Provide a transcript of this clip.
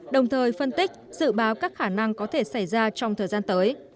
đồng thời phân tích dự báo các khả năng có thể xảy ra trong thời gian tới